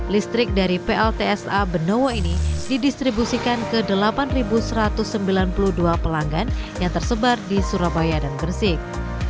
listrik dari pltsa benowo ini didistribusikan ke delapan satu ratus sembilan puluh dua pelanggan yang tersebar di surabaya dan gresik